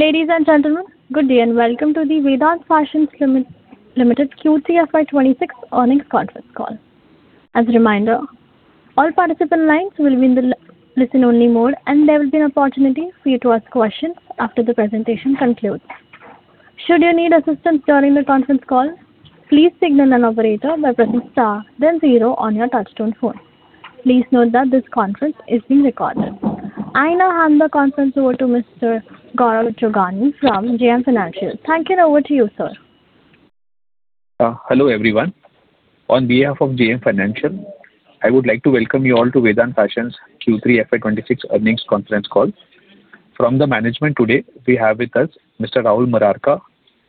Ladies and gentlemen, good day, and welcome to the Vedant Fashions Limited Q3 FY26 Earnings Conference Call. As a reminder, all participant lines will be in the listen-only mode, and there will be an opportunity for you to ask questions after the presentation concludes. Should you need assistance during the conference call, please signal an operator by pressing star then zero on your touchtone phone. Please note that this conference is being recorded. I now hand the conference over to Mr. Gaurav Jograni from JM Financial. Thank you, and over to you, sir. Hello, everyone. On behalf of JM Financial, I would like to welcome you all to Vedant Fashions Q3 FY26 earnings conference call. From the management today, we have with us Mr. Rahul Murarka,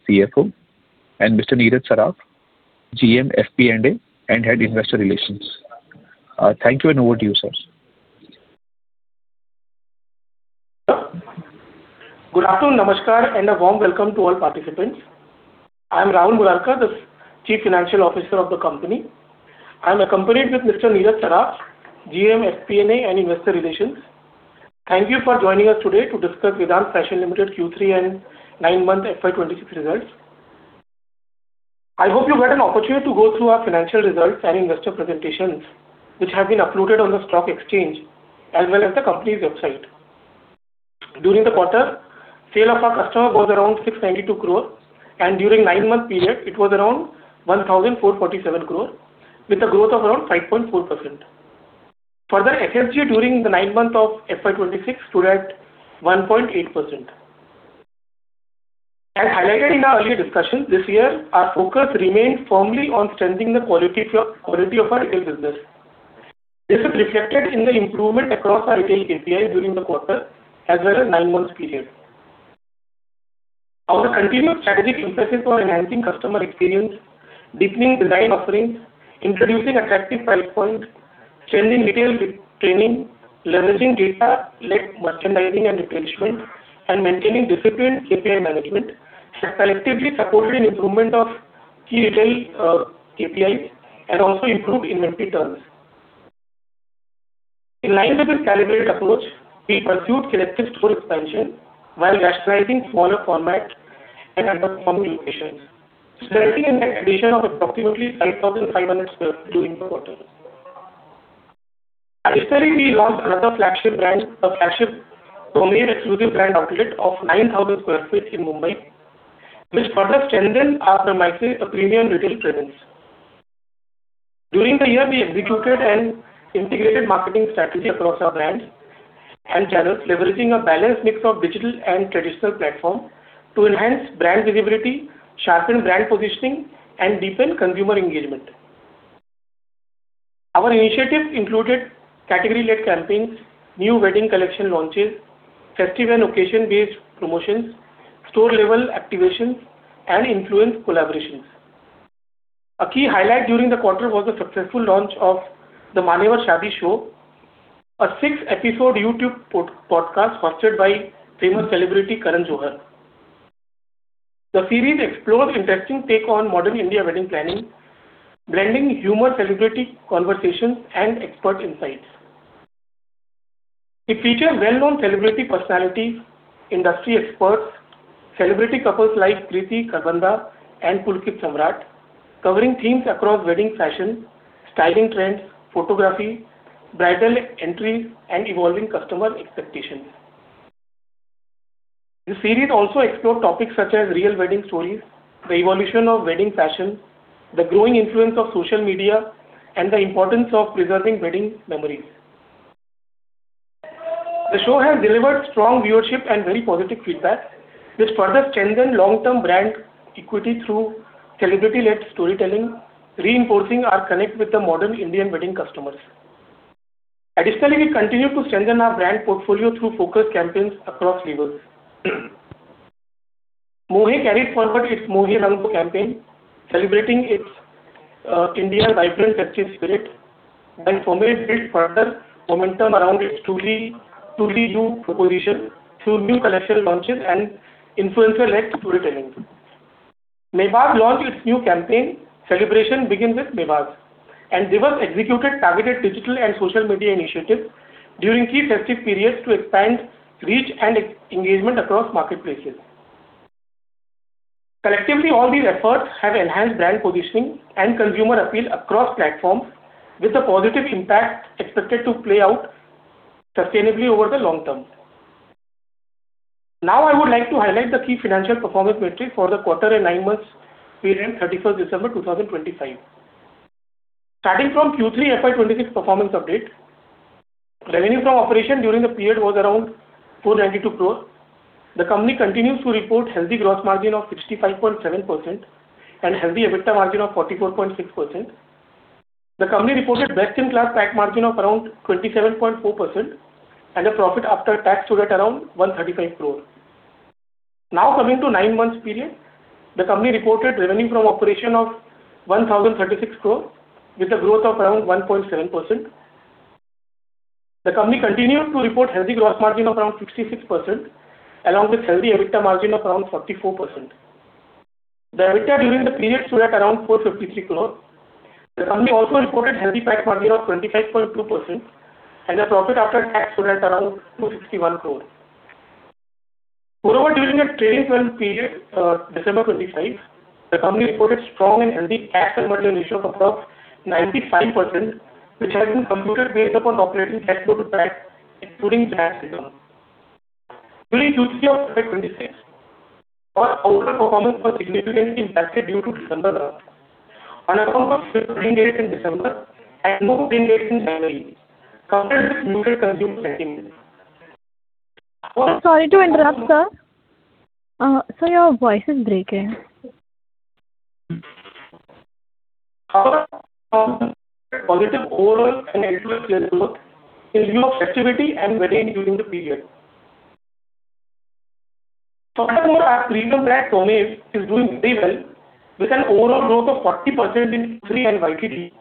CFO, and Mr. Neeraj Saraf, GM, FP&A, and Head Investor Relations. Thank you, and over to you, sirs. Good afternoon, namaskar, and a warm welcome to all participants. I am Rahul Murarka, the Chief Financial Officer of the company. I'm accompanied with Mr. Neeraj Saraf, GM, FP&A, and Investor Relations. Thank you for joining us today to discuss Vedant Fashions Limited Q3 and nine-month FY 2026 results. I hope you had an opportunity to go through our financial results and investor presentations, which have been uploaded on the stock exchange, as well as the company's website. During the quarter, sale of our customer was around 692 crore, and during nine-month period, it was around 1,447 crore, with a growth of around 5.4%. Further, SSG during the nine months of FY 2026 stood at 1.8%. As highlighted in our earlier discussion, this year, our focus remains firmly on strengthening the quality of our retail business. This is reflected in the improvement across our retail KPI during the quarter, as well as nine months period. Our continued strategic emphasis on enhancing customer experience, deepening design offerings, introducing attractive price points, strengthening retail training, leveraging data, led merchandising and replenishment, and maintaining disciplined KPI management, have collectively supported an improvement of key retail KPIs and also improved inventory terms. In line with this calibrated approach, we pursued selective store expansion while rationalizing smaller format and underperforming locations, resulting in net addition of approximately 8,500 sq ft during the quarter. Additionally, we launched another flagship brand, a flagship home-made exclusive brand outlet of 9,000 sq ft in Mumbai, which further strengthen our primacy, a premium retail presence. During the year, we executed an integrated marketing strategy across our brands and channels, leveraging a balanced mix of digital and traditional platform to enhance brand visibility, sharpen brand positioning, and deepen consumer engagement. Our initiatives included category-led campaigns, new wedding collection launches, festive and occasion-based promotions, store-level activations, and influencer collaborations. A key highlight during the quarter was the successful launch of The Manyavar Shaadi Show, a six-episode YouTube podcast hosted by famous celebrity, Karan Johar. The series explores interesting take on modern Indian wedding planning, blending humor, celebrity conversations, and expert insights. It features well-known celebrity personalities, industry experts, celebrity couples like Kriti Kharbanda and Pulkit Samrat, covering themes across wedding fashion, styling trends, photography, bridal entries, and evolving customer expectations. The series also explore topics such as real wedding stories, the evolution of wedding fashion, the growing influence of social media, and the importance of preserving wedding memories. The show has delivered strong viewership and very positive feedback, which further strengthen long-term brand equity through celebrity-led storytelling, reinforcing our connect with the modern Indian wedding customers. Additionally, we continue to strengthen our brand portfolio through focused campaigns across levers. Mohey carried forward its Mohey Rang campaign, celebrating India's vibrant festive spirit, and for me, built further momentum around its truly, truly new proposition through new collection launches and influencer-led storytelling. Mebaz launched its new campaign, Celebration Begins with Mebaz, and they were executed targeted digital and social media initiatives during key festive periods to expand reach and engagement across marketplaces. Collectively, all these efforts have enhanced brand positioning and consumer appeal across platforms, with a positive impact expected to play out sustainably over the long term. Now, I would like to highlight the key financial performance metrics for the quarter and nine months period, December 31, 2025. Starting from Q3 FY26 performance update, revenue from operation during the period was around INR 292 crore. The company continues to report healthy gross margin of 65.7% and healthy EBITDA margin of 44.6%. The company reported best-in-class tax margin of around 27.4%, and a profit after tax stood at around 135 crore. Now, coming to nine months period, the company reported revenue from operation of 1,036 crore, with a growth of around 1.7%. The company continued to report healthy gross margin of around 66%, along with healthy EBITDA margin of around 44%. The EBITDA during the period stood at around 453 crore. The company also reported healthy PAT margin of 25.2%, and the profit after tax stood at around 261 crore. Moreover, during the trailing twelve period, December 2025, the company reported strong and healthy cash conversion ratio of about 95%, which has been computed based upon operating cash flow to PAT, including tax income. During Q3 of 2026, our order performance was significantly impacted due to December month. On account of shifting dates in December and no dates in January, countered with neutral consumer sentiment. Sorry to interrupt, sir. Sir, your voice is breaking. Positive overall and influence level in view of festivity and wedding during the period. Furthermore, our premium brand, Twamev is doing very well, with an overall growth of 40% in Q3 and YTD,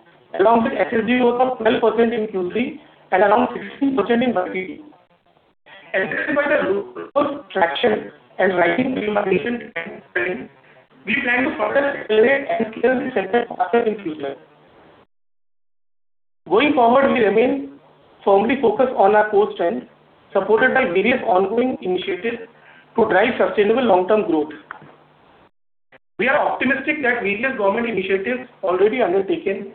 along with SSG growth of 12% in Q3 and around 16% in YTD. Encouraged by the good traction and rising penetration and spending, we plan to further accelerate and scale this center faster in future. Going forward, we remain firmly focused on our core strength, supported by various ongoing initiatives to drive sustainable long-term growth. We are optimistic that various government initiatives already undertaken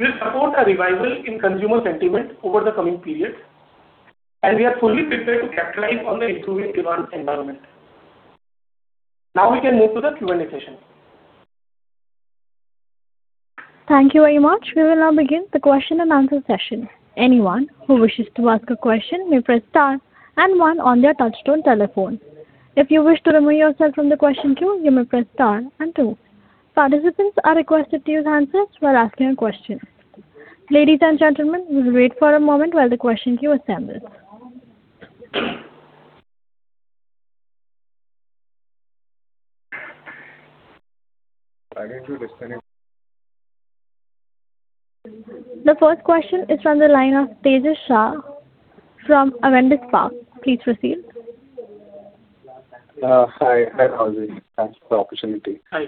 will support a revival in consumer sentiment over the coming period, and we are fully prepared to capitalize on the improving demand environment. Now we can move to the Q&A session. Thank you very much. We will now begin the question and answer session. Anyone who wishes to ask a question may press star and one on their touchtone telephone. If you wish to remove yourself from the question queue, you may press star and two. Participants are requested to use the handset while asking a question. Ladies and gentlemen, we'll wait for a moment while the question queue assembles. The first question is from the line of Tejas Shah from Avendus Spark. Please proceed. Hi. Hi, Rahul. Thanks for the opportunity. Hi.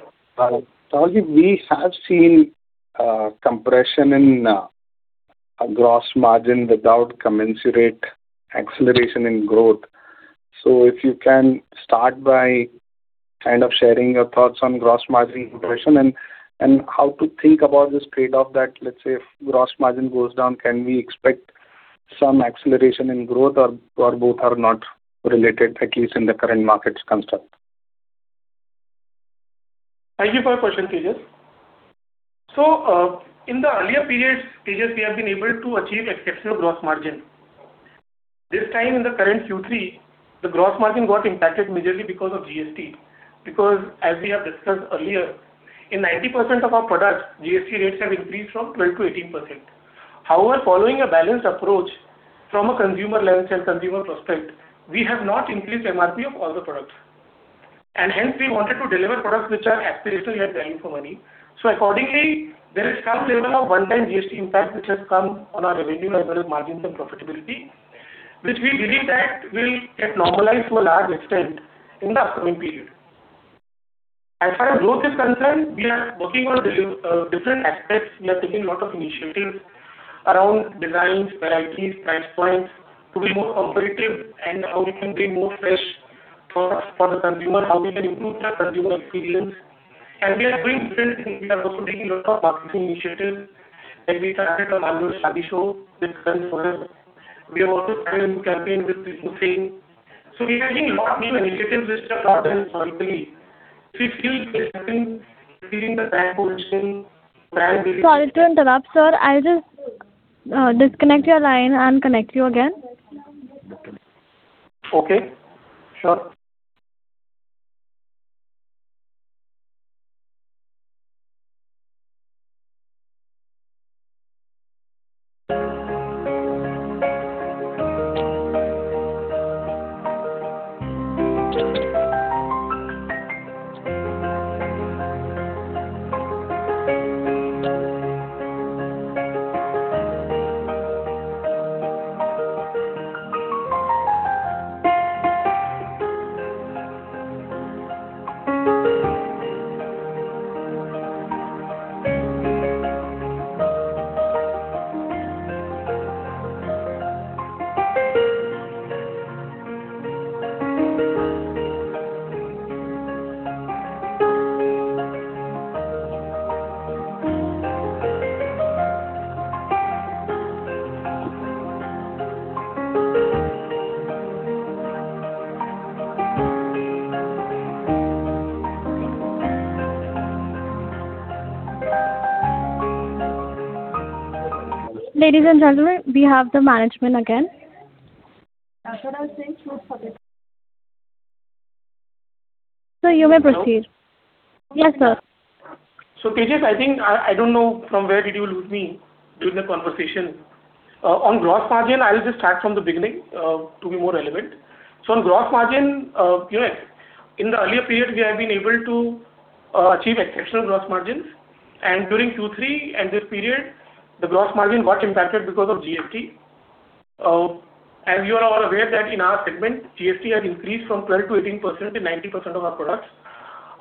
Rajeev, we have seen compression in gross margin without commensurate acceleration in growth. So if you can start by kind of sharing your thoughts on gross margin compression and how to think about this trade-off that, let's say, if gross margin goes down, can we expect some acceleration in growth, or both are not related, at least in the current market construct? Thank you for your question, Tejas. So, in the earlier periods, Tejas, we have been able to achieve exceptional gross margin. This time in the current Q3, the gross margin got impacted majorly because of GST, because as we have discussed earlier, in 90% of our products, GST rates have increased from 12% to 18%. However, following a balanced approach from a consumer lens and consumer prospect, we have not increased MRP of all the products, and hence we wanted to deliver products which are aspirational, yet value for money. So accordingly, there is some level of one-time GST impact, which has come on our revenue as well as margins and profitability, which we believe that will get normalized to a large extent in the upcoming period. As far as growth is concerned, we are working on different, different aspects. We are taking lot of initiatives around designs, varieties, price points, to be more competitive and how we can bring more fresh products for the consumer, how we can improve the consumer experience. We are doing different things. We are also taking a lot of marketing initiatives, like we started on annual Shaadi Show with Sun Forever. We have also started a new campaign with Yusufain. We are taking a lot new initiatives which have not been historically. We feel we are sitting in the right position where- Sorry to interrupt, sir. I'll just disconnect your line and connect you again. Okay, sure. Ladies and gentlemen, we have the management again. As what I was saying- Sir, you may proceed. Hello? Yes, sir. So Tejas, I think, I don't know from where did you lose me during the conversation. On gross margin, I will just start from the beginning, to be more relevant. So on gross margin, you know, in the earlier period, we have been able to achieve exceptional gross margins, and during Q3 and this period, the gross margin got impacted because of GST, as you are all aware that in our segment, GST has increased from 12% to 18% in 90% of our products.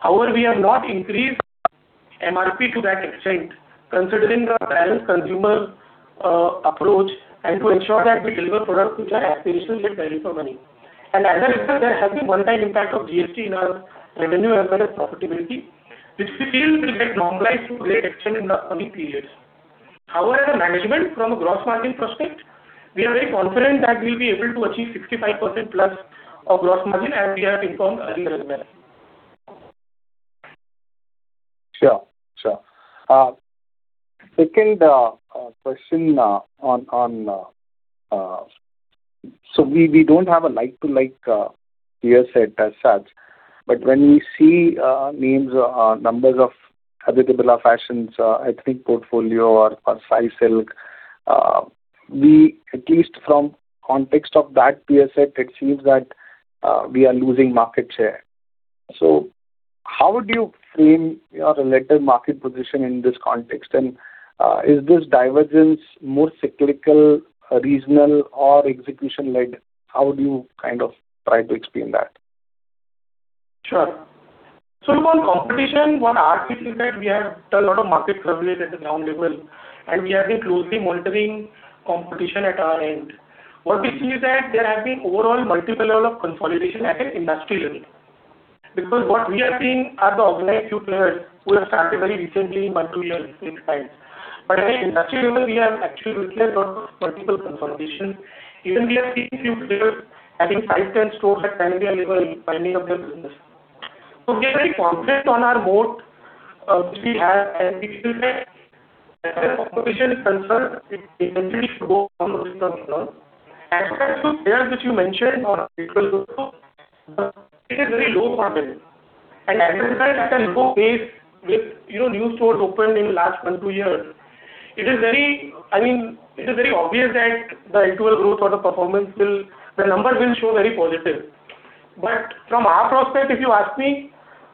However, we have not increased MRP to that extent, considering the balanced consumer approach and to ensure that we deliver products which are aspirational, yet value for money. And as a result, there has been one time impact of GST in our revenue as well as profitability, which we feel will get normalized to great extent in the coming periods. However, the management from a gross margin prospect, we are very confident that we'll be able to achieve 65%+ of gross margin, as we have informed earlier as well. Sure. Sure. Second question on, so we don't have a like-to-like peer set as such, but when we see names or numbers of Aditya Birla Fashions ethnic portfolio or Sai Silk, we at least from context of that peer set, it seems that we are losing market share. So how would you frame your relative market position in this context? And is this divergence more cyclical, regional, or execution-led? How would you kind of try to explain that? Sure. So on competition, what our team is that we have done a lot of market surveys at the ground level, and we have been closely monitoring competition at our end. What we see is that there have been overall multiple level of consolidation at an industry level, because what we have seen are the organized few players who have started very recently, 1, 2 years in time. But at an industry level, we have actually witnessed a lot of multiple consolidation. Even we have seen few players, I think 5, 10 stores at time, they are liquidating of their business. So we are very confident on our moat, which we have, and we feel that as far as competition is concerned, it essentially should go on with the business. As for players which you mentioned or N12, it is very low for them, and as a result can go pace with, you know, new stores opened in last 1, 2 years. It is very, I mean, it is very obvious that the N12 growth or the performance will, the numbers will show very positive. But from our perspective, if you ask me,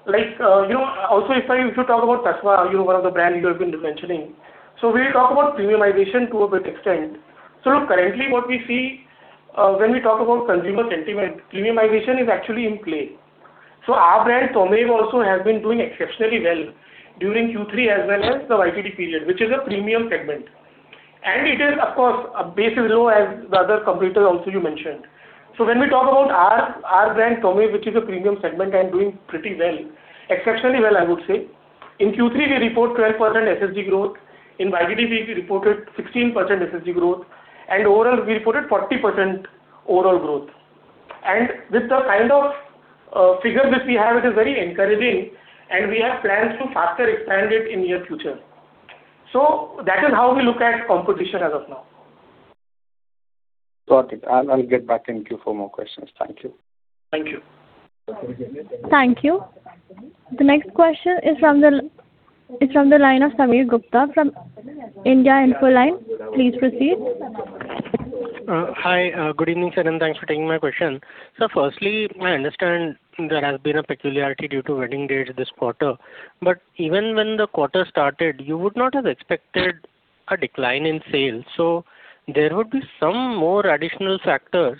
like, you know, also if I, if you talk about Tasva, you know, one of the brand you have been mentioning. So we talk about premiumization to a great extent. So look, currently what we see, when we talk about consumer sentiment, premiumization is actually in play. So our brand, Tommy, also has been doing exceptionally well during Q3 as well as the YTD period, which is a premium segment. It is, of course, a base is low as the other competitors also you mentioned. So when we talk about our, our brand, Twamev, which is a premium segment and doing pretty well, exceptionally well, I would say. In Q3, we report 12% SSG growth, in YTD, we reported 16% SSG growth, and overall, we reported 40% overall growth. And with the kind of, figure which we have, it is very encouraging, and we have plans to faster expand it in near future. So that is how we look at competition as of now. Got it. I'll get back to you for more questions. Thank you. Thank you. Thank you. The next question is from the line of Sameer Gupta from India Infoline. Please proceed. Hi, good evening, sir, and thanks for taking my question. So firstly, I understand there has been a peculiarity due to wedding dates this quarter, but even when the quarter started, you would not have expected a decline in sales. So there would be some more additional factors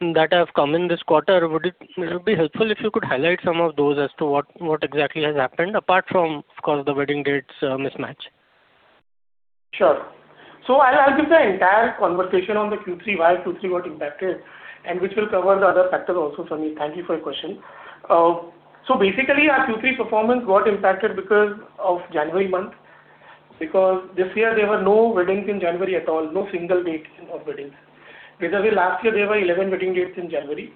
that have come in this quarter. Would it, it would be helpful if you could highlight some of those as to what, what exactly has happened, apart from, of course, the wedding dates, mismatch? Sure. So I'll give the entire conversation on the Q3, why Q3 got impacted, and which will cover the other factors also, Sameer. Thank you for your question. So basically, our Q3 performance got impacted because of January month, because this year there were no weddings in January at all, no single date of weddings. Because in last year, there were 11 wedding dates in January.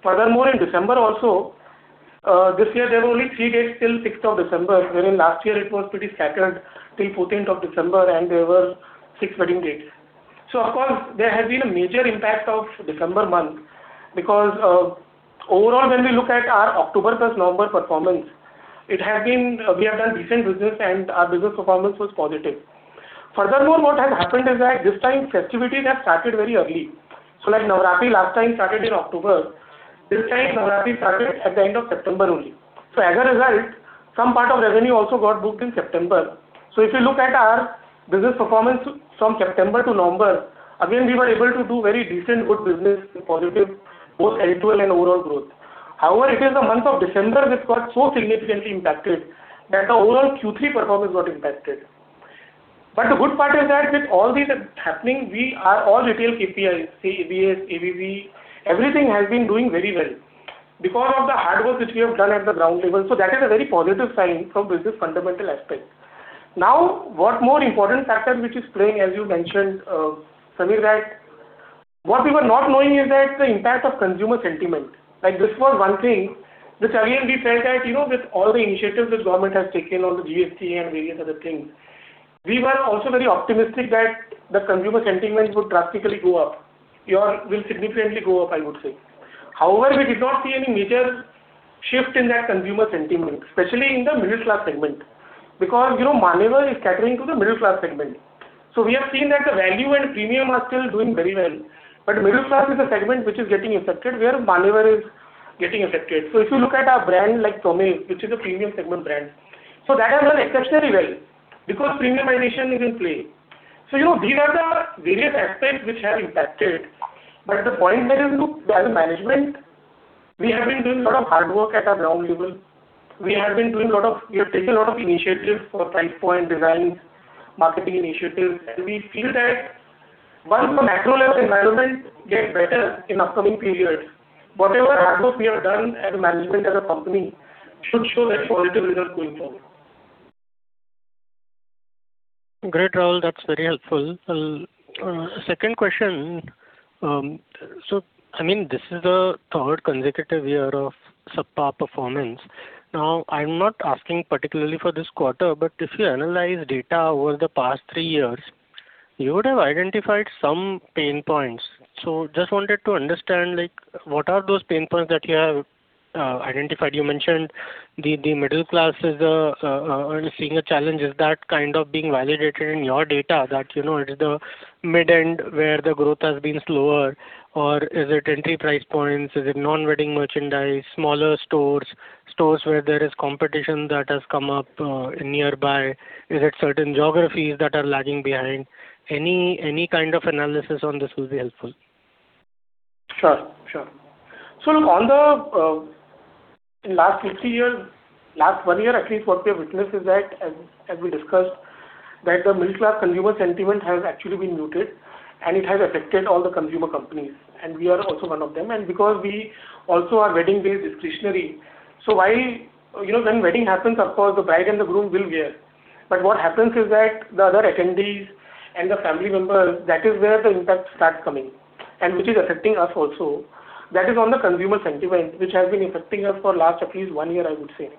Furthermore, in December also, this year there were only 3 dates till 6th of December, wherein last year it was pretty scattered till 14th of December, and there were 6 wedding dates. So of course, there has been a major impact of December month, because, overall, when we look at our October plus November performance, it has been, we have done decent business and our business performance was positive. Furthermore, what has happened is that this time festivities have started very early. So like Navratri last time started in October, this time Navratri started at the end of September only. So as a result, some part of revenue also got booked in September. So if you look at our business performance from September to November, again, we were able to do very decent good business and positive, both LTL and overall growth. However, it is the month of December which got so significantly impacted that the overall Q3 performance got impacted. But the good part is that with all these happening, we are all retail KPIs, ABS, ABV, everything has been doing very well because of the hard work which we have done at the ground level. So that is a very positive sign from business fundamental aspect. Now, one more important factor which is playing, as you mentioned, Samir, that what we were not knowing is that the impact of consumer sentiment. Like, this was one thing, which again, we felt that, you know, with all the initiatives the government has taken on the GST and various other things, we were also very optimistic that the consumer sentiment would drastically go up, or will significantly go up, I would say. However, we did not see any major shift in that consumer sentiment, especially in the middle class segment, because, you know, Manyavar is catering to the middle class segment. So we have seen that the value and premium are still doing very well, but middle class is a segment which is getting affected, where Manyavar is getting affected. So if you look at our brand, like Tommy, which is a premium segment brand, so that has done exceptionally well... because premiumization is in play. So, you know, these are the various aspects which have impacted, but the point where you look, as a management, we have been doing a lot of hard work at a ground level. We have taken a lot of initiatives for price point, designs, marketing initiatives, and we feel that once the macro level environment gets better in upcoming periods, whatever hard work we have done as a management, as a company, should show that positive result going forward. Great, Rahul, that's very helpful. Second question, so I mean, this is the third consecutive year of subpar performance. Now, I'm not asking particularly for this quarter, but if you analyze data over the past three years, you would have identified some pain points. So just wanted to understand, like, what are those pain points that you have identified? You mentioned the middle class is seeing a challenge. Is that kind of being validated in your data, that, you know, it is the mid-end where the growth has been slower? Or is it entry price points? Is it non-wedding merchandise, smaller stores, stores where there is competition that has come up nearby? Is it certain geographies that are lagging behind? Any kind of analysis on this will be helpful. Sure, sure. So look, on the, in last 50 years, last one year, at least, what we have witnessed is that, as, as we discussed, that the middle class consumer sentiment has actually been muted, and it has affected all the consumer companies, and we are also one of them, and because we also are wedding-based discretionary. So while... You know, when wedding happens, of course, the bride and the groom will wear. But what happens is that the other attendees and the family members, that is where the impact starts coming, and which is affecting us also. That is on the consumer sentiment, which has been affecting us for last, at least one year, I would say.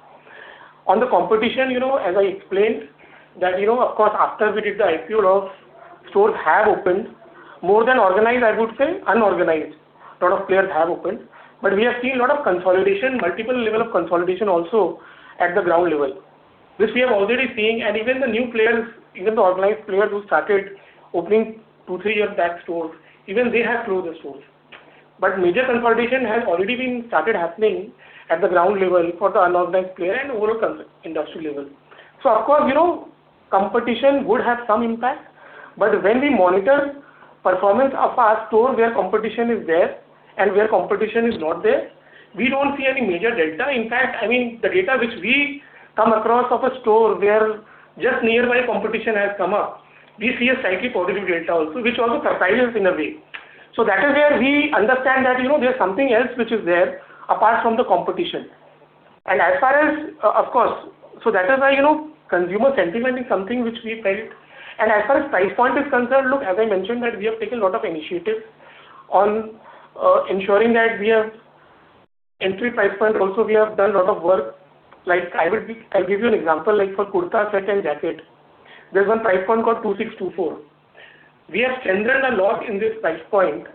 On the competition, you know, as I explained, that, you know, of course, after we did the IPO, lot of stores have opened. More than organized, I would say, unorganized. Lot of players have opened, but we have seen a lot of consolidation, multiple level of consolidation also at the ground level. This we have already seen, and even the new players, even the organized players who started opening 2, 3 years back stores, even they have closed their stores. But major consolidation has already been started happening at the ground level for the unorganized player and overall consumer-industry level. So of course, you know, competition would have some impact, but when we monitor performance of our store, where competition is there and where competition is not there, we don't see any major delta. In fact, I mean, the data which we come across of a store where just nearby competition has come up, we see a slightly positive data also, which also surprises us in a way. So that is where we understand that, you know, there's something else which is there apart from the competition. And as far as, of course, so that is why, you know, consumer sentiment is something which we felt. And as far as price point is concerned, look, as I mentioned, that we have taken a lot of initiatives on ensuring that we have entry price point also, we have done a lot of work. Like, I'll give you an example, like for kurta set and jacket, there's one price point called 2,624. We have strengthened a lot in this price point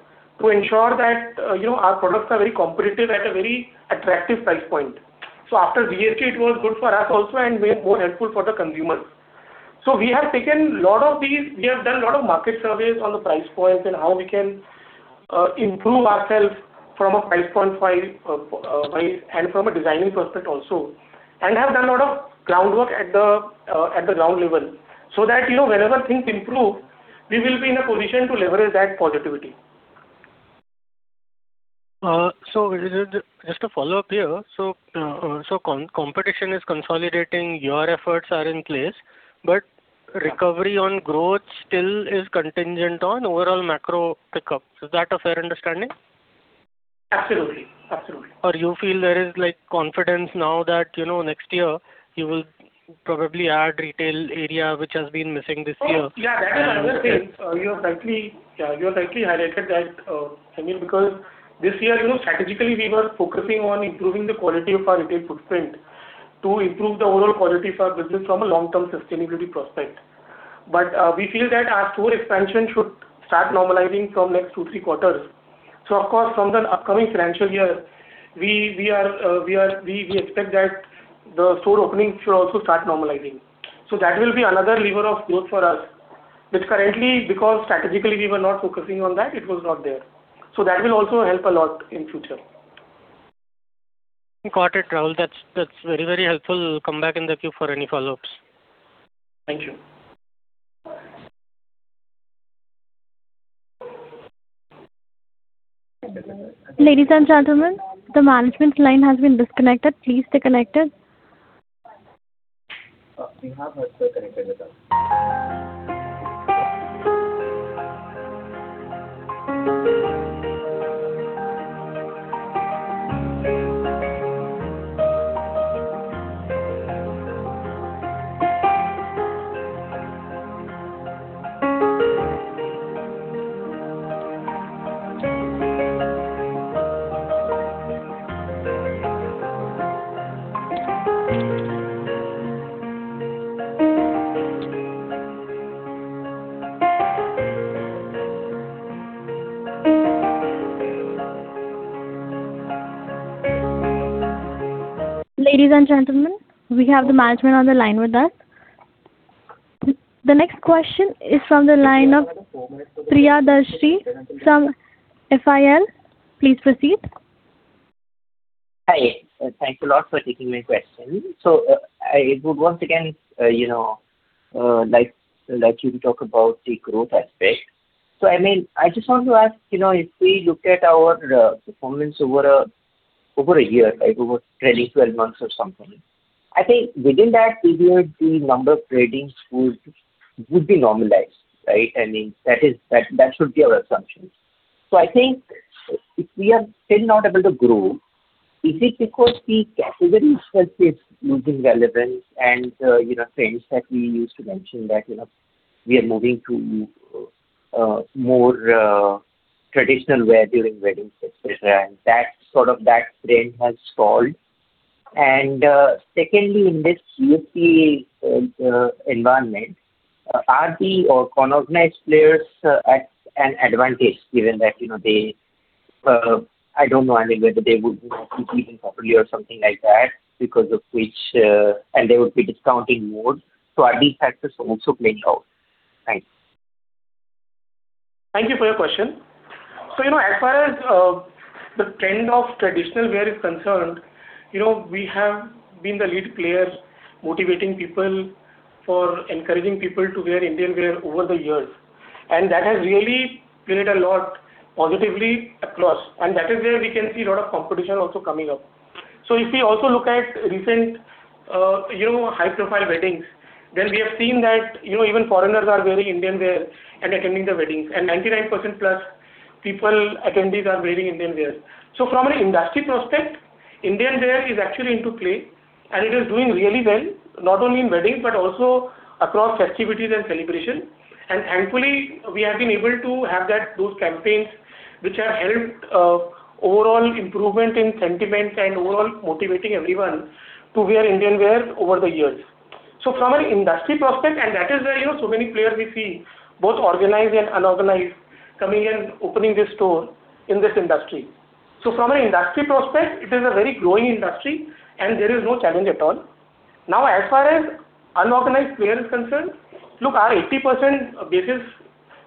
to ensure that, you know, our products are very competitive at a very attractive price point. So after GST, it was good for us also, and we are more helpful for the consumers. So we have taken a lot of these... We have done a lot of market surveys on the price points and how we can improve ourselves from a price point wise, wise, and from a designing perspective also, and have done a lot of groundwork at the ground level, so that, you know, whenever things improve, we will be in a position to leverage that positivity. So, just to follow up here, competition is consolidating, your efforts are in place, but recovery on growth still is contingent on overall macro pick up. Is that a fair understanding? Absolutely. Absolutely. Or you feel there is, like, confidence now that, you know, next year you will probably add retail area, which has been missing this year? Oh, yeah, that is another thing. You have rightly, yeah, you have rightly highlighted that, I mean, because this year, you know, strategically we were focusing on improving the quality of our retail footprint to improve the overall quality of our business from a long-term sustainability prospect. But, we feel that our store expansion should start normalizing from next two, three quarters. So of course, from the upcoming financial year, we are, we expect that the store openings should also start normalizing. So that will be another lever of growth for us, which currently, because strategically we were not focusing on that, it was not there. So that will also help a lot in future. Got it, Rahul. That's, that's very, very helpful. Come back in the queue for any follow-ups. Thank you. Ladies and gentlemen, the management line has been disconnected. Please stay connected. We have Rahul connected with us. Ladies and gentlemen, we have the management on the line with us. The next question is from the line of Priyadarshi from FIL. Please proceed. Hi, thanks a lot for taking my question. So, I would once again, you know, like you to talk about the growth aspect. So, I mean, I just want to ask, you know, if we look at our performance over a year, like over 12, 12 months or something, I think within that period, the number of trading days would be normalized, right? I mean, that is, that should be our assumption. So I think if we are still not able to grow, is it because the category itself is losing relevance and, you know, trends that we used to mention that, you know, we are moving to more traditional wear during weddings, et cetera, and that sort of trend has stalled. Secondly, in this USP environment, are the organized players at an advantage, given that, you know, they, I don't know, I mean, whether they would be competing properly or something like that, because of which they would be discounting more. So are these factors also playing out? Thanks. Thank you for your question. So, you know, as far as the trend of traditional wear is concerned, you know, we have been the lead players motivating people for encouraging people to wear Indian wear over the years, and that has really played a lot positively across, and that is where we can see a lot of competition also coming up. So if we also look at recent, you know, high-profile weddings, then we have seen that, you know, even foreigners are wearing Indian wear and attending the weddings, and 99% plus people, attendees, are wearing Indian wears. So from an industry perspective, Indian wear is actually into play, and it is doing really well, not only in weddings, but also across festivities and celebration. Thankfully, we have been able to have that, those campaigns, which have helped overall improvement in sentiments and overall motivating everyone to wear Indian wears over the years. So from an industry perspective, and that is where, you know, so many players we see, both organized and unorganized, coming and opening their store in this industry. So from an industry perspective, it is a very growing industry, and there is no challenge at all. Now, as far as unorganized player is concerned, look, our 80% basis,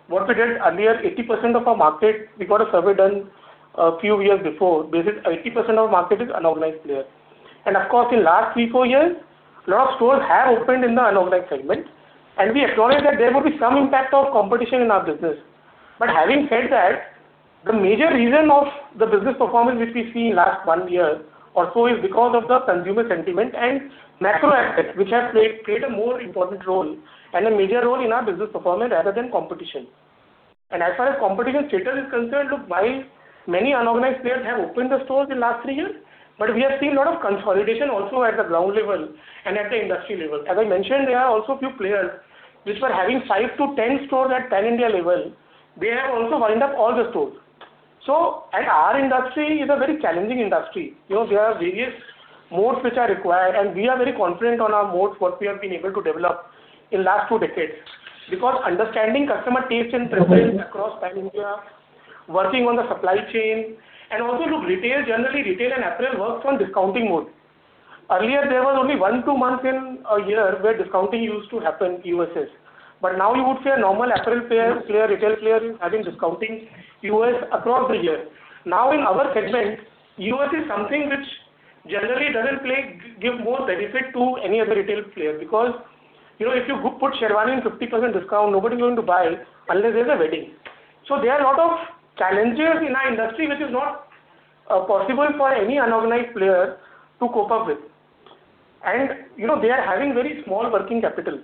what we did earlier, 80% of our market, we got a survey done a few years before. Basis, 80% of market is unorganized player. And of course, in last 3-4 years, a lot of stores have opened in the unorganized segment, and we acknowledge that there will be some impact of competition in our business. But having said that, the major reason of the business performance, which we see in last one year or so, is because of the consumer sentiment and macro aspects, which have played a more important role and a major role in our business performance rather than competition. As far as competition theater is concerned, look, while many unorganized players have opened the stores in last three years, but we have seen a lot of consolidation also at the ground level and at the industry level. As I mentioned, there are also a few players which were having five to 10 stores at Pan India level. They have also wind up all the stores. So and our industry is a very challenging industry. You know, there are various modes which are required, and we are very confident on our modes, what we have been able to develop in last two decades, because understanding customer tastes and preferences across Pan India, working on the supply chain and also to retail. Generally, retail and apparel works on discounting mode. Earlier, there was only one, two months in a year where discounting used to happen, EOSS. But now you would say a normal apparel player, retail player is having discounting EOSS across the year. Now, in our segment, EOSS is something which generally doesn't play, give more benefit to any other retail player, because, you know, if you put sherwani in 50% discount, nobody is going to buy it unless there's a wedding. So there are a lot of challenges in our industry, which is not possible for any unorganized player to cope up with. And, you know, they are having very small working capital.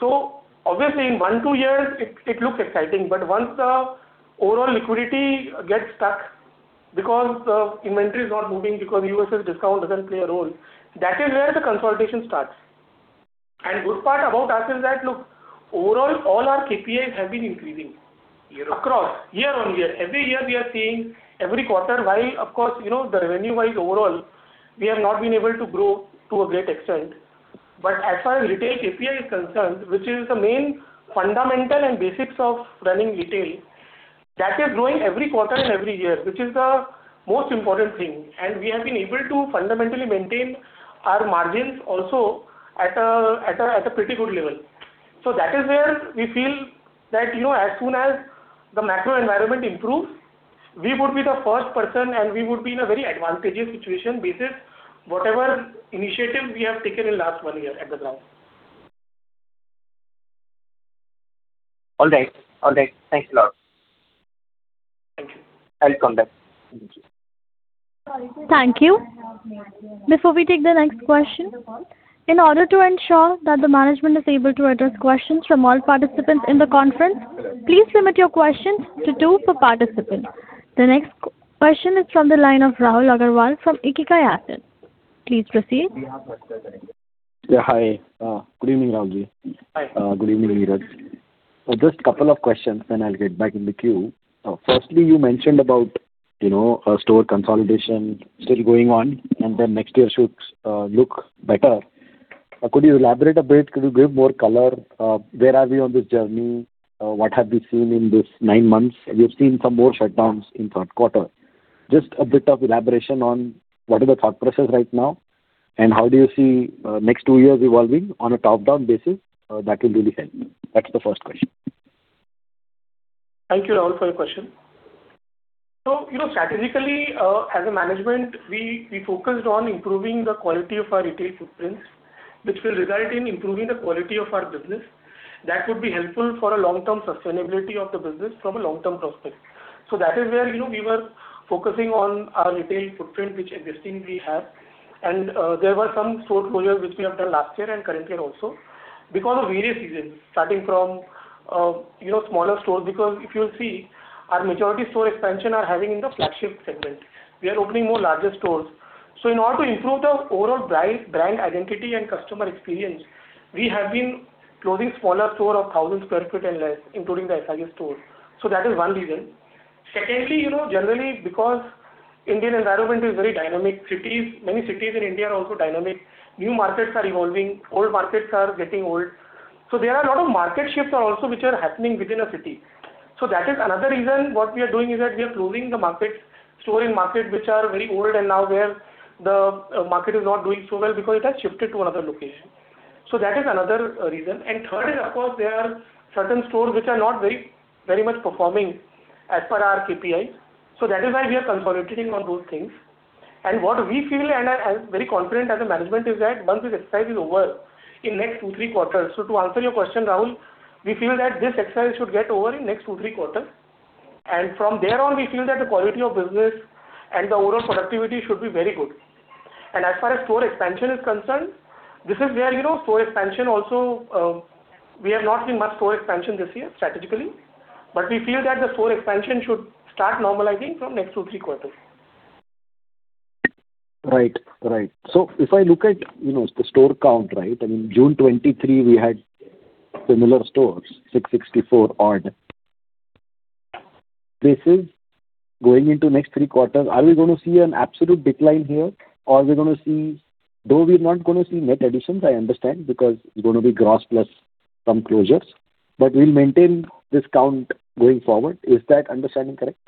So obviously in 1-2 years, it looks exciting, but once the overall liquidity gets stuck because the inventory is not moving, because USS discount doesn't play a role, that is where the consolidation starts. And good part about us is that, look, overall, all our KPIs have been increasing across year-over-year. Every year we are seeing every quarter, while, of course, you know, the revenue-wise overall, we have not been able to grow to a great extent. But as far as retail KPI is concerned, which is the main fundamental and basics of running retail, that is growing every quarter and every year, which is the most important thing, and we have been able to fundamentally maintain our margins also at a pretty good level. So that is where we feel that, you know, as soon as the macro environment improves, we would be the first person, and we would be in a very advantageous situation, basis whatever initiative we have taken in last one year at the ground. All right. All right. Thanks a lot. Thank you. I'll come back. Thank you. Thank you. Before we take the next question, in order to ensure that the management is able to address questions from all participants in the conference, please limit your questions to two per participant. The next question is from the line of Rahul Agarwal from Ikigai Asset. Please proceed. Yeah, hi. Good evening, Rahul Ji. Hi. Good evening, Neeraj. Just a couple of questions, then I'll get back in the queue. Firstly, you mentioned about, you know, a store consolidation still going on, and then next year should look better. Could you elaborate a bit? Could you give more color? Where are we on this journey? What have we seen in this nine months? We have seen some more shutdowns in third quarter. Just a bit of elaboration on what are the thought process right now, and how do you see next two years evolving on a top-down basis? That will really help me. That's the first question. Thank you, Rahul, for your question. So, you know, strategically, as a management, we, we focused on improving the quality of our retail footprints, which will result in improving the quality of our business. That would be helpful for a long-term sustainability of the business from a long-term perspective. So that is where, you know, we were focusing on our retail footprint, which existing we have. And there were some store closures which we have done last year and currently also, because of various reasons, starting from, you know, smaller stores. Because if you see, our majority store expansion are having in the flagship segment. We are opening more larger stores. So in order to improve the overall brand, brand identity and customer experience, we have been closing smaller store of 1,000 sq ft and less, including the SIS stores. So that is one reason. Secondly, you know, generally, because the Indian environment is very dynamic, cities, many cities in India are also dynamic. New markets are evolving, old markets are getting old. So there are a lot of market shifts are also which are happening within a city. So that is another reason what we are doing, is that we are closing the stores in markets which are very old, and now where the market is not doing so well because it has shifted to another location. So that is another reason. And third is, of course, there are certain stores which are not very, very much performing as per our KPI. So that is why we are consolidating on those things. And what we feel, and I, I'm very confident as a management, is that once this exercise is over, in next two, three quarters... So to answer your question, Rahul, we feel that this exercise should get over in next 2-3 quarters. And from there on, we feel that the quality of business and the overall productivity should be very good. And as far as store expansion is concerned, this is where, you know, store expansion also, we have not seen much store expansion this year, strategically, but we feel that the store expansion should start normalizing from next 2-3 quarters. Right. Right. So if I look at, you know, the store count, right? I mean, June 2023, we had similar stores, 664 odd. This is going into next three quarters. Are we going to see an absolute decline here, or we're going to see... Though we're not going to see net additions, I understand, because it's going to be gross plus some closures, but we'll maintain this count going forward. Is that understanding correct?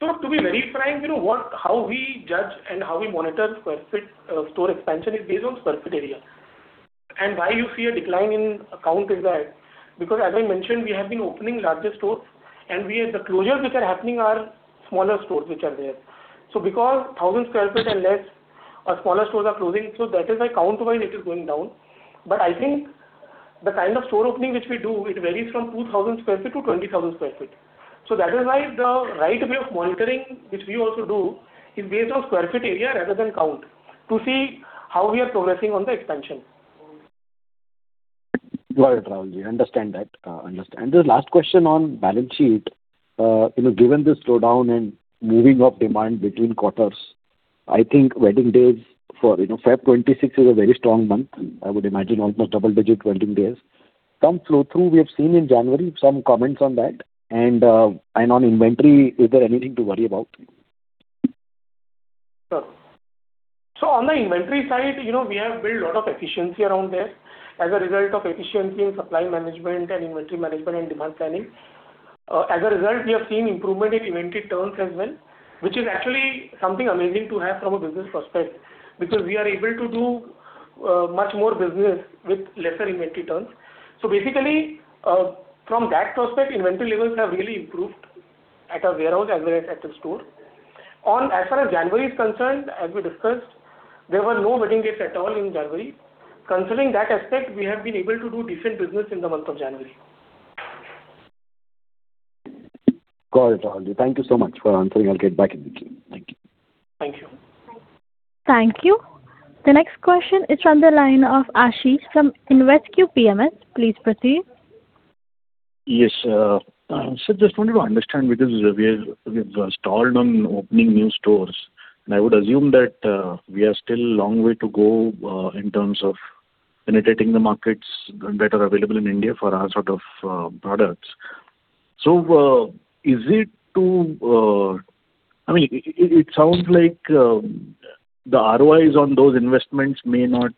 So to be very frank, you know, how we judge and how we monitor square feet store expansion is based on square foot area. And why you see a decline in count is that, because as I mentioned, we have been opening larger stores, and we are the closures which are happening are smaller stores which are there. So because 1,000 sq ft and less or smaller stores are closing, so that is why count-wise it is going down. But I think the kind of store opening which we do, it varies from 2,000 sq ft to 20,000 sq ft. So that is why the right way of monitoring, which we also do, is based on square foot area rather than count, to see how we are progressing on the expansion. Got it, Rahul. We understand that, understand. The last question on balance sheet. You know, given the slowdown and moving of demand between quarters, I think wedding days for, you know, February 2026 is a very strong month. I would imagine almost double-digit wedding days. Some flow-through we have seen in January, some comments on that, and, and on inventory, is there anything to worry about? Sure. So on the inventory side, you know, we have built a lot of efficiency around there. As a result of efficiency in supply management and inventory management and demand planning, as a result, we have seen improvement in inventory terms as well, which is actually something amazing to have from a business perspective, because we are able to do, much more business with lesser inventory terms. So basically, from that perspective, inventory levels have really improved at our warehouse as well as at the store. On, as far as January is concerned, as we discussed, there were no wedding dates at all in January. Considering that aspect, we have been able to do different business in the month of January. Got it, Rahul. Thank you so much for answering. I'll get back in the queue. Thank you. Thank you. Thank you. The next question is on the line of Aashish from InvesQ PMS. Please proceed. Yes, sir, just wanted to understand, because we're, we've stalled on opening new stores, and I would assume that, we are still a long way to go, in terms of penetrating the markets that are available in India for our sort of, products. So, is it to... I mean, it sounds like, the ROIs on those investments may not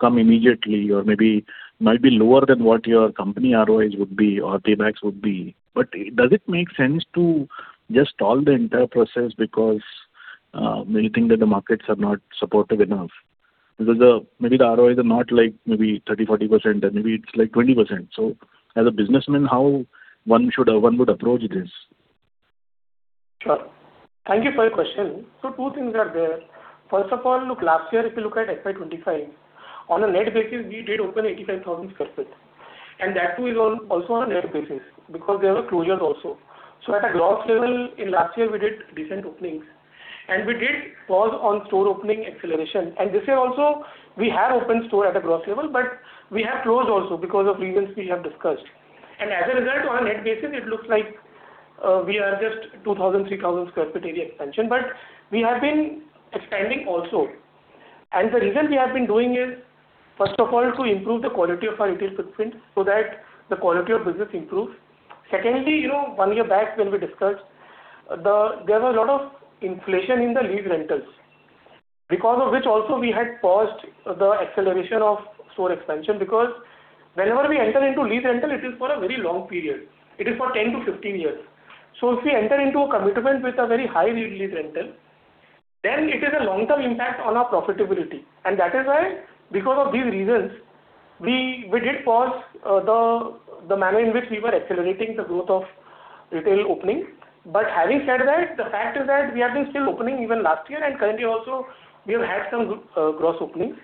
come immediately or maybe might be lower than what your company ROIs would be or paybacks would be. But does it make sense to just stall the entire process because, we think that the markets are not supportive enough? Because, maybe the ROIs are not like maybe 30%-40%, and maybe it's like 20%. So as a businessman, how one should, one would approach this? Sure. Thank you for your question. So two things are there. First of all, look, last year, if you look at FY 25, on a net basis, we did open 85,000 sq ft, and that too is on, also on a net basis, because there were closures also. So at a gross level, in last year, we did decent openings, and we did pause on store opening acceleration. And this year also, we have opened store at a gross level, but we have closed also because of reasons we have discussed. And as a result, on net basis, it looks like, we are just 2,000-3,000 sq ft area expansion, but we have been expanding also. And the reason we have been doing is, first of all, to improve the quality of our retail footprint so that the quality of business improves. Secondly, you know, one year back when we discussed, there was a lot of inflation in the lease rentals, because of which also we had paused the acceleration of store expansion, because whenever we enter into lease rental, it is for a very long period. It is for 10-15 years. So if we enter into a commitment with a very high yield lease rental, then it is a long-term impact on our profitability, and that is why, because of these reasons, we did pause the manner in which we were accelerating the growth of retail opening. But having said that, the fact is that we have been still opening even last year, and currently also we have had some good gross openings.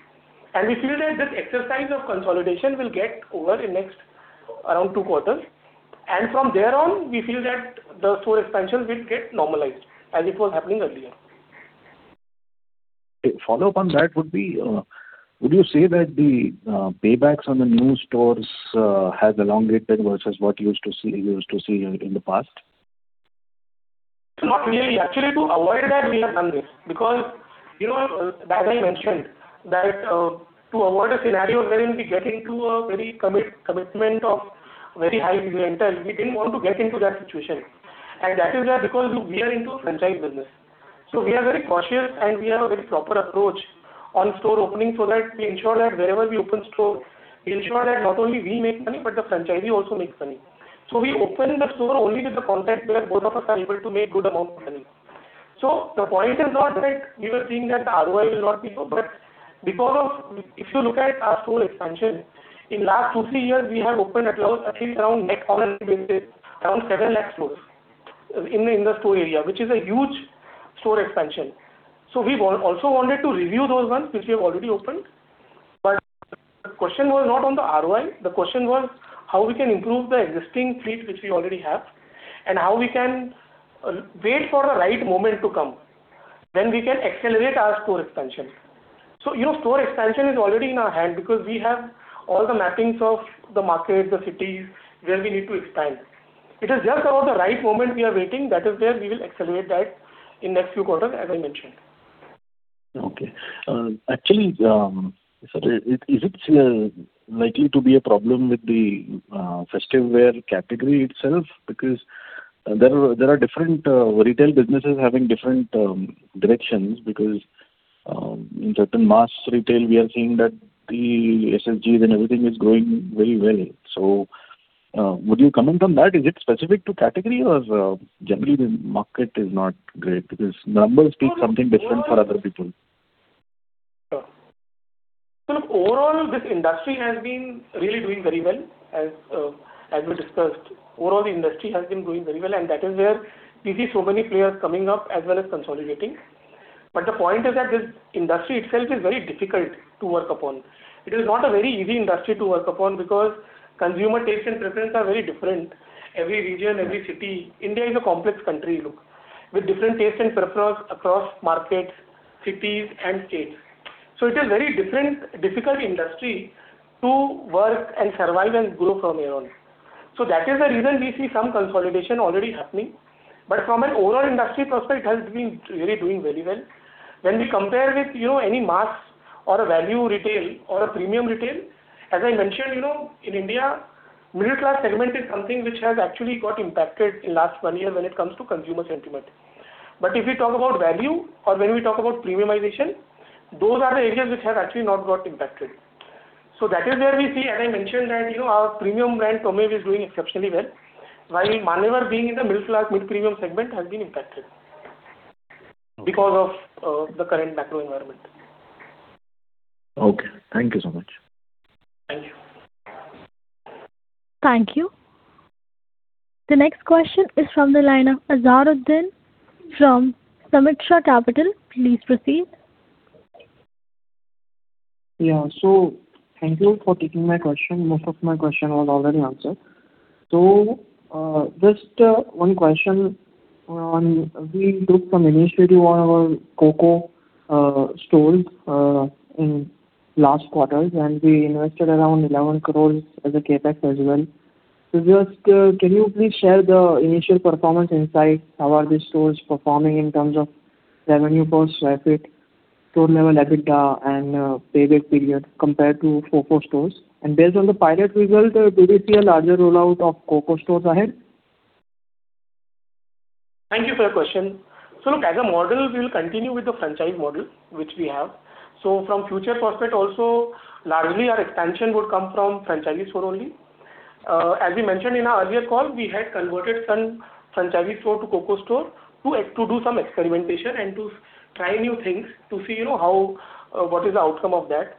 We feel that this exercise of consolidation will get over in next, around two quarters, and from there on, we feel that the store expansion will get normalized as it was happening earlier. A follow-up on that would be, would you say that the paybacks on the new stores has elongated versus what you used to see, you used to see in the past? Not really. Actually, to avoid that, we have done this, because, you know, as I mentioned, that, to avoid a scenario wherein we get into a very commitment of very high rental, we didn't want to get into that situation. And that is where, because we are into franchise business, so we are very cautious, and we have a very proper approach on store opening, so that we ensure that wherever we open store, we ensure that not only we make money, but the franchisee also makes money. So we open the store only with the context where both of us are able to make good amount of money. So the point is not that we were seeing that the ROI will not be good, but because of, if you look at our store expansion, in last 2-3 years, we have opened at least around, on an average, around 7 lakh stores in the, in the store area, which is a huge store expansion. So we also wanted to review those ones which we have already opened. But the question was not on the ROI, the question was how we can improve the existing fleet which we already have, and how we can wait for the right moment to come, then we can accelerate our store expansion. So, you know, store expansion is already in our hand because we have all the mappings of the market, the cities where we need to expand. It is just about the right moment we are waiting, that is where we will accelerate that in next few quarters, as I mentioned. Okay. Actually, so is it likely to be a problem with the festive wear category itself? Because there are different retail businesses having different directions, because in certain mass retail, we are seeing that the SSGs and everything is growing very well. So, would you comment on that? Is it specific to category or is generally the market not great, because numbers speak something different for other people. Sure. So overall, this industry has been really doing very well, as we discussed. Overall, the industry has been doing very well, and that is where we see so many players coming up as well as consolidating. But the point is that this industry itself is very difficult to work upon. It is not a very easy industry to work upon, because consumer tastes and preferences are very different. Every region, every city... India is a complex country, look, with different tastes and preferences across markets, cities and states. So it is very different, difficult industry to work and survive and grow from your own. So that is the reason we see some consolidation already happening. But from an overall industry perspective, it has been really doing very well. When we compare with, you know, any mass or a value retail or a premium retail, as I mentioned, you know, in India, middle class segment is something which has actually got impacted in last one year when it comes to consumer sentiment. But if we talk about value or when we talk about premiumization, those are the areas which have actually not got impacted. So that is where we see, as I mentioned, that, you know, our premium brand, Twamev, is doing exceptionally well, while Manyavar being in the middle class, mid-premium segment, has been impacted because of the current macro environment. Okay, thank you so much. Thank you. Thank you. The next question is from the line of Azad Uddin, from Sumitra Capital. Please proceed. Yeah. So thank you for taking my question. Most of my question was already answered. So, just, one question on we took some initiative on our COCO stores, in last quarters, and we invested around 11 crore as a CapEx as well. So just, can you please share the initial performance insights? How are these stores performing in terms of revenue per sq ft, store level EBITDA, and, payback period compared to COCO stores? And based on the pilot result, do you see a larger rollout of COCO stores ahead? Thank you for your question. So look, as a model, we will continue with the franchise model, which we have. So from future prospect also, largely our expansion would come from franchisee store only. As we mentioned in our earlier call, we had converted some franchisee store to COCO store to, to do some experimentation and to try new things, to see, you know, how, what is the outcome of that.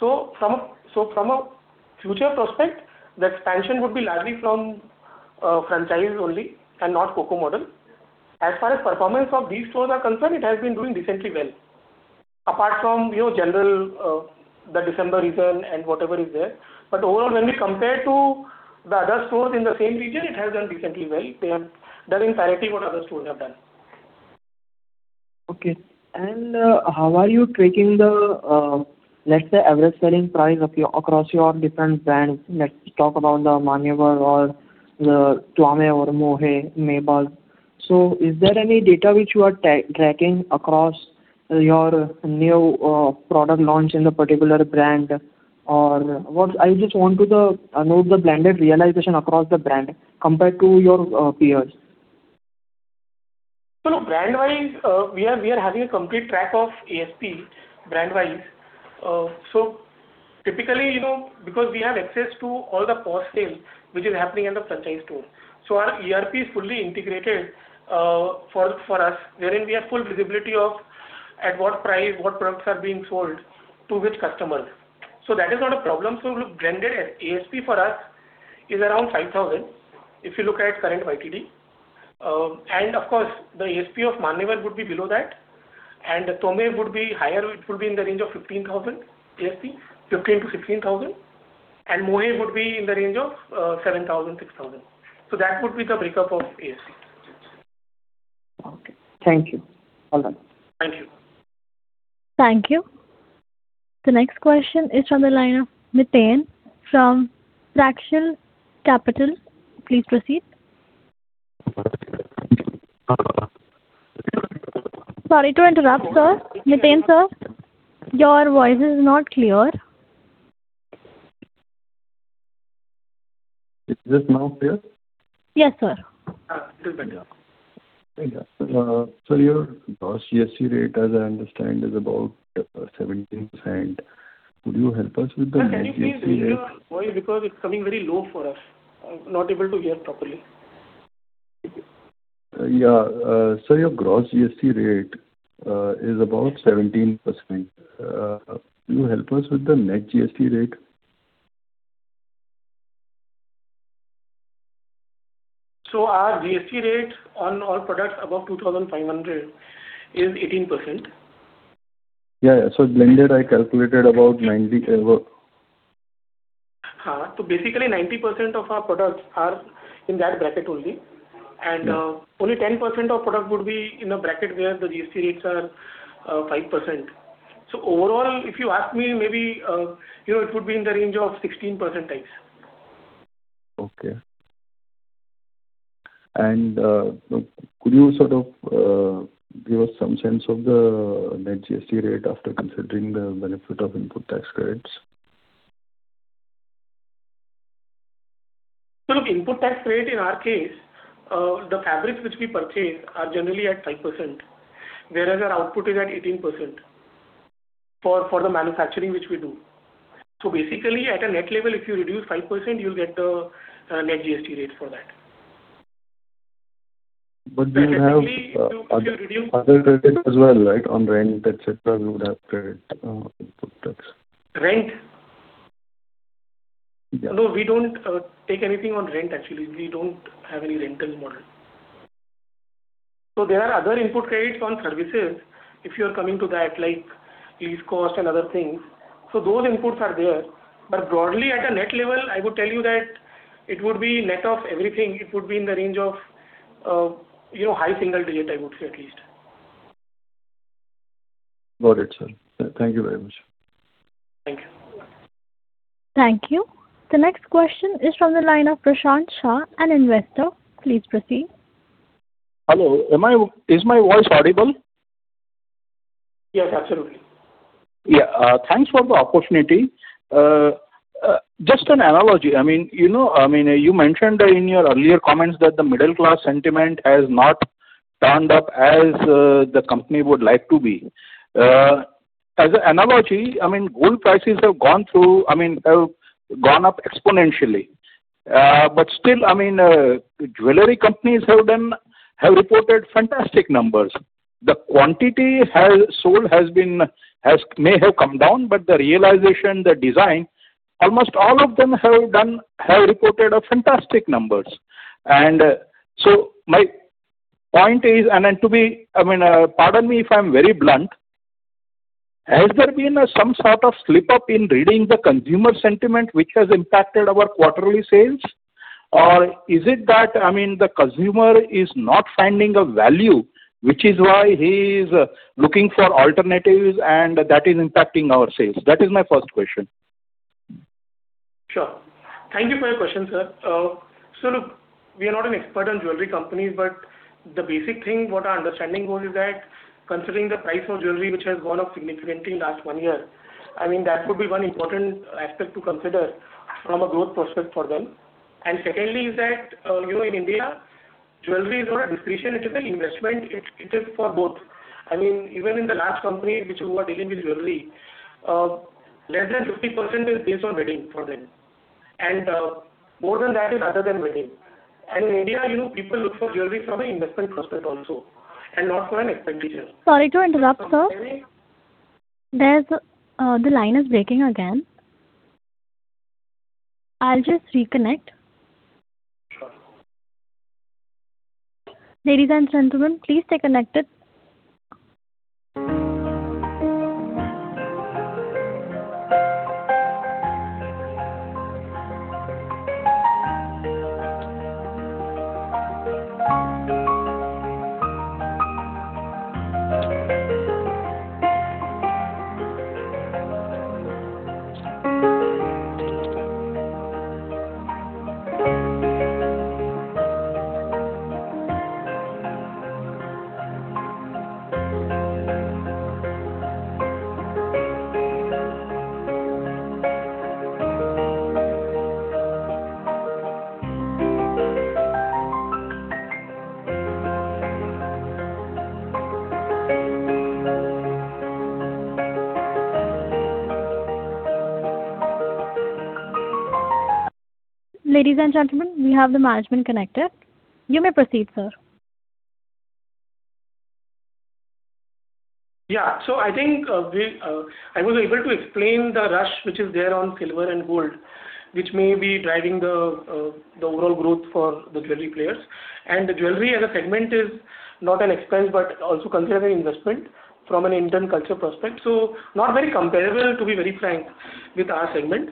So from a, so from a future prospect, the expansion would be largely from, franchise only and not COCO model. As far as performance of these stores are concerned, it has been doing decently well. Apart from, you know, general, the December return and whatever is there. But overall, when we compare to the other stores in the same region, it has done decently well. They have done exactly what other stores have done. Okay. How are you tracking the, let's say, average selling price across your different brands? Let's talk about the Manyavar or the Twamev or Mohey, Mebaz. So is there any data which you are tracking across your new product launch in the particular brand? Or what... I just want to know the blended realization across the brand compared to your peers. So look, brand wise, we are having a complete track of ASP, brand wise. Typically, you know, because we have access to all the post-sale, which is happening in the franchise store. So our ERP is fully integrated, for us, wherein we have full visibility of at what price, what products are being sold to which customers. So that is not a problem. So look, blended ASP for us is around 5,000, if you look at current YTD. And of course, the ASP of Manyavar would be below that, and the Twamev would be higher, it would be in the range of 15,000 ASP, 15,000-16,000, and Mohey would be in the range of 7,000, 6,000. So that would be the breakup of ASP. Okay. Thank you. Well done. Thank you. Thank you. The next question is from the line of Miten from Fractal Capital. Please proceed. Sorry to interrupt, sir. Miten, sir, your voice is not clear. Is this now clear? Yes, sir. Still better. Thank you. So your gross GST rate, as I understand, is about 17%. Could you help us with the net GST rate? Sir, can you please raise your voice because it's coming very low for us. I'm not able to hear properly. Yeah, so your gross GST rate is about 17%. Can you help us with the net GST rate? Our GST rate on all products above 2,500 is 18%. Yeah, yeah. So blended, I calculated about 90 above. So basically, 90% of our products are in that bracket only, and only 10% of products would be in a bracket where the GST rates are 5%. So overall, if you ask me, maybe, you know, it would be in the range of 16% tax. Okay. And, could you sort of, give us some sense of the net GST rate after considering the benefit of input tax credits? So look, input tax rate in our case, the fabrics which we purchase are generally at 5%, whereas our output is at 18% for the manufacturing, which we do. So basically, at a net level, if you reduce 5%, you'll get the net GST rate for that. But do you have other credits as well, right? On rent, et cetera, you would have credit, input tax. Rent? Yeah. No, we don't take anything on rent, actually. We don't have any rental model. So there are other input credits on services, if you are coming to that, like lease cost and other things, so those inputs are there. But broadly, at a net level, I would tell you that it would be net of everything. It would be in the range of, you know, high single digit, I would say, at least. Got it, sir. Thank you very much. Thank you. Thank you. The next question is from the line of Prashant Shah, an investor. Please proceed. Hello, is my voice audible? Yes, absolutely. Yeah, thanks for the opportunity. Just an analogy, I mean, you know, I mean, you mentioned in your earlier comments that the middle-class sentiment has not turned up as the company would like to be. As an analogy, I mean, gold prices have gone through, I mean, have gone up exponentially. But still, I mean, jewelry companies have done, have reported fantastic numbers. The quantity sold has been, may have come down, but the realization, the design, almost all of them have done, have reported a fantastic numbers. So my point is, I mean, pardon me if I'm very blunt, has there been some sort of slip-up in reading the consumer sentiment which has impacted our quarterly sales? Or is it that, I mean, the consumer is not finding a value, which is why he is looking for alternatives, and that is impacting our sales? That is my first question. Sure. Thank you for your question, sir. So look, we are not an expert on jewelry companies, but the basic thing, what our understanding was, is that considering the price for jewelry, which has gone up significantly in last 1 year, I mean, that would be 1 important aspect to consider from a growth perspective for them. And secondly, is that, you know, in India, jewelry is not a discretionary, it is an investment, it's, it is for both. I mean, even in the last company, which we were dealing with jewelry, less than 50% is based on wedding for them, and, more than that is other than wedding. And in India, you know, people look for jewelry from an investment perspective also, and not for an expenditure. Sorry to interrupt, sir. The line is breaking again. I'll just reconnect. Sure. Ladies and gentlemen, please stay connected. Ladies and gentlemen, we have the management connected. You may proceed, sir. Yeah. So I think, we, I was able to explain the rush which is there on silver and gold, which may be driving the, the overall growth for the jewelry players. And the jewelry as a segment is not an expense, but also considered an investment from an Indian culture perspective. So not very comparable, to be very frank, with our segment.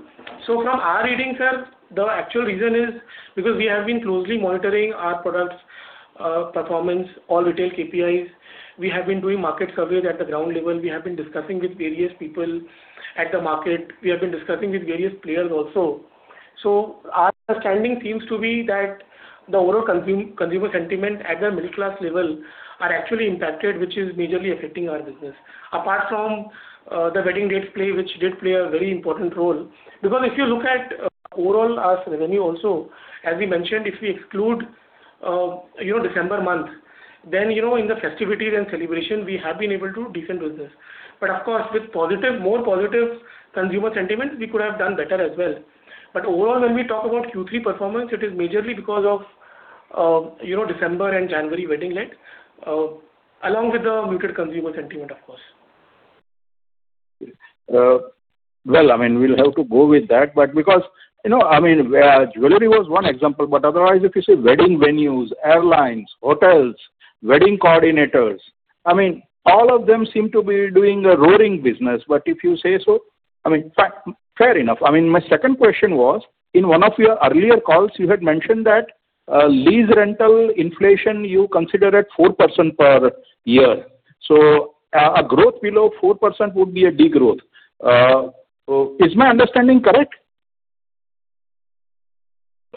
So from our reading, sir, the actual reason is because we have been closely monitoring our products, performance, all retail KPIs. We have been doing market surveys at the ground level. We have been discussing with various people at the market. We have been discussing with various players also. So our understanding seems to be that the overall consumer sentiment at the middle class level are actually impacted, which is majorly affecting our business. Apart from, the wedding dates play, which did play a very important role. Because if you look at, overall our revenue also, as we mentioned, if we exclude, you know, December month, then, you know, in the festivities and celebration, we have been able to do decent business. But of course, with positive, more positive consumer sentiment, we could have done better as well. But overall, when we talk about Q3 performance, it is majorly because of, you know, December and January wedding dates, along with the muted consumer sentiment, of course. Well, I mean, we'll have to go with that, but because, you know, I mean, jewelry was one example, but otherwise, if you say wedding venues, airlines, hotels, wedding coordinators, I mean, all of them seem to be doing a roaring business. But if you say so, I mean, fair enough. I mean, my second question was, in one of your earlier calls, you had mentioned that, lease rental inflation, you consider it 4% per year. So, a growth below 4% would be a degrowth. So is my understanding correct?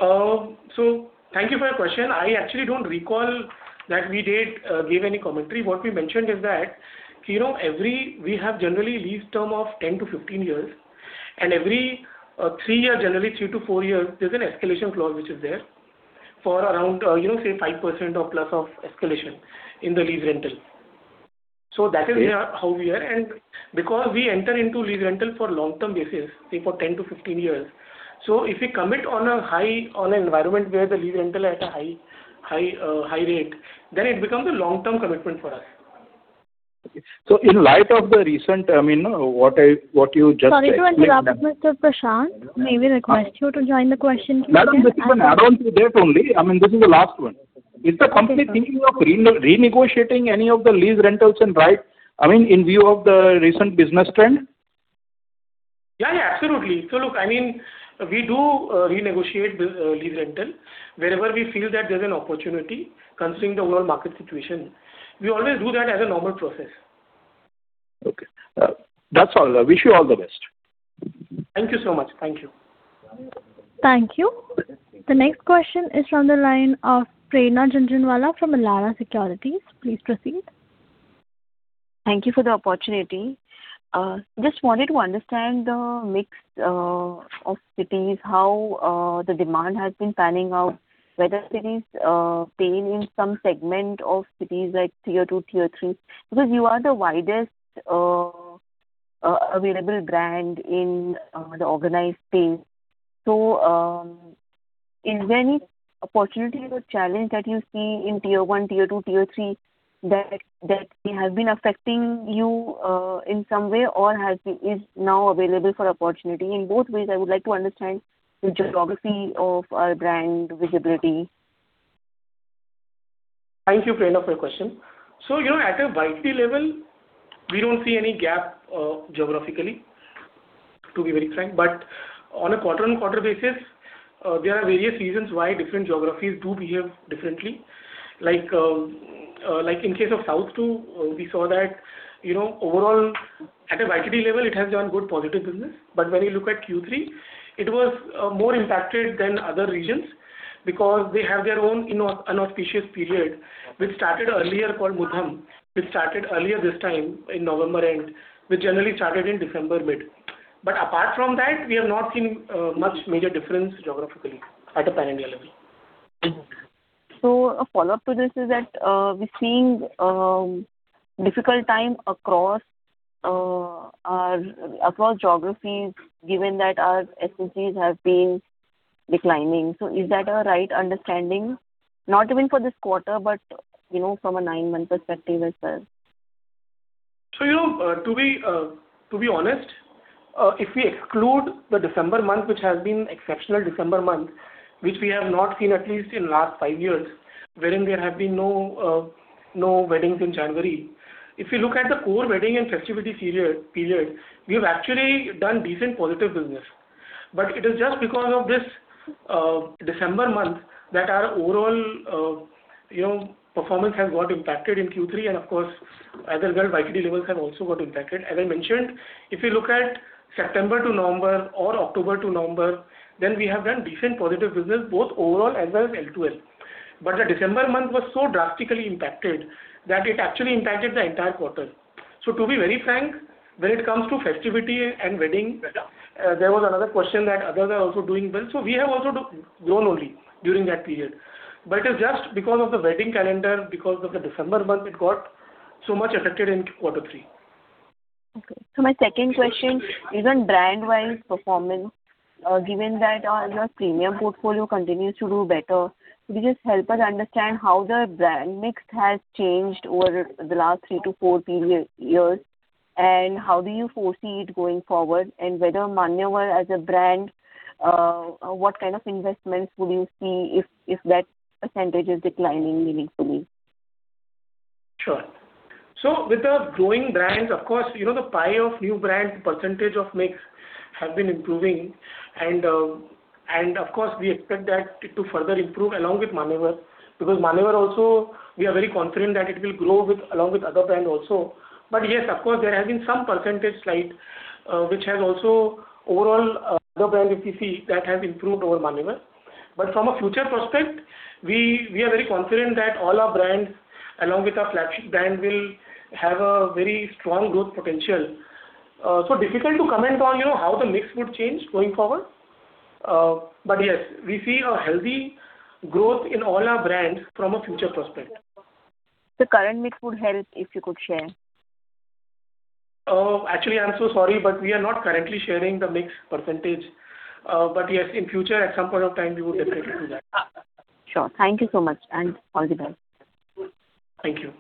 So thank you for your question. I actually don't recall that we did give any commentary. What we mentioned is that, you know, every... We have generally lease term of 10-15 years, and every three year, generally three to four years, there's an escalation clause which is there for around, you know, say, 5% or plus of escalation in the lease rental. So that is how we are. And because we enter into lease rental for long-term basis, say for 10-15 years, so if we commit on a high, on an environment where the lease rental at a high, high, high rate, then it becomes a long-term commitment for us. So in light of the recent, I mean, what you just said- Sorry to interrupt, Mr. Prashant. May we request you to join the question? Madam, this is an add-on to that only. I mean, this is the last one. Is the company thinking of renegotiating any of the lease rentals and buy, I mean, in view of the recent business trend? Yeah, yeah, absolutely. So look, I mean, we do renegotiate this lease rental wherever we feel that there's an opportunity considering the overall market situation. We always do that as a normal process. Okay. That's all. I wish you all the best. Thank you so much. Thank you. Thank you. The next question is from the line of Prerna Jhunjhunwala from Elara Securities. Please proceed. Thank you for the opportunity. Just wanted to understand the mix of cities, how the demand has been panning out, whether cities paying in some segment of cities like tier two, tier three, because you are the widest available brand in the organized space. So, is there any opportunity or challenge that you see in tier one, tier two, tier three, that has been affecting you in some way, or is now available for opportunity? In both ways, I would like to understand the geography of our brand visibility. Thank you, Prerna, for your question. So, you know, at a YTD level, we don't see any gap geographically, to be very frank. But on a quarter-on-quarter basis, there are various reasons why different geographies do behave differently. Like, like in case of South Two, we saw that, you know, overall, at a YTD level, it has done good positive business. But when you look at Q3, it was more impacted than other regions because they have their own inauspicious period, which started earlier, called Moodam, which started earlier this time in November end, which generally started in December mid. But apart from that, we have not seen much major difference geographically at a pan-India level. A follow-up to this is that we're seeing difficult time across geographies, given that our SSSGs have been declining. So is that a right understanding? Not even for this quarter, but you know, from a nine-month perspective as well. You know, to be honest, if we exclude the December month, which has been exceptional December month, which we have not seen at least in last 5 years, wherein there have been no, no weddings in January. If you look at the core wedding and festivity period, we've actually done decent positive business. But it is just because of this December month that our overall, you know, performance has got impacted in Q3, and of course, as a result, YTD levels have also got impacted. As I mentioned, if you look at September to November or October to November, then we have done decent positive business, both overall as well as LTL. But the December month was so drastically impacted that it actually impacted the entire quarter. So to be very frank, when it comes to festivity and wedding wear, there was another question that others are also doing well. So we have also grown only during that period. But it's just because of the wedding calendar, because of the December month, it got so much affected in quarter three. Okay. So my second question, even brand wise performance, given that, your premium portfolio continues to do better, could you just help us understand how the brand mix has changed over the last three to four period years, and how do you foresee it going forward? And whether Manyavar as a brand, what kind of investments would you see if, if that percentage is declining meaningfully? Sure. So with the growing brands, of course, you know, the pie of new brand percentage of mix has been improving. And, of course, we expect that to further improve along with Manyavar, because Manyavar also, we are very confident that it will grow with, along with other brand also. But yes, of course, there has been some percentage slight, which has also overall, other brand, if you see, that has improved over Manyavar. But from a future prospect, we are very confident that all our brands, along with our flagship brand, will have a very strong growth potential. So difficult to comment on, you know, how the mix would change going forward. But yes, we see a healthy growth in all our brands from a future prospect. The current mix would help if you could share. Actually, I'm so sorry, but we are not currently sharing the mix percentage. But yes, in future, at some point of time, we would definitely do that. Sure. Thank you so much, and all the best. Thank you.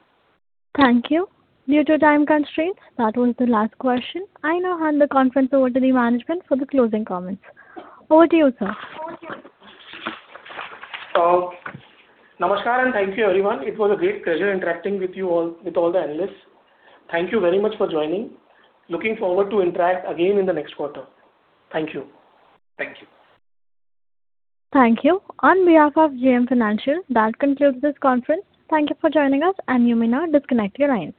Thank you. Due to time constraints, that was the last question. I now hand the conference over to the management for the closing comments. Over to you, sir. Namaskar, and thank you, everyone. It was a great pleasure interacting with you all, with all the analysts. Thank you very much for joining. Looking forward to interact again in the next quarter. Thank you. Thank you. Thank you. On behalf of JM Financial, that concludes this conference. Thank you for joining us, and you may now disconnect your lines.